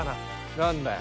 何だよ？